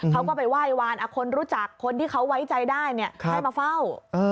เขาก็ไปไหว้วานคนรู้จักคนที่เขาไว้ใจได้ให้มาเฝ้า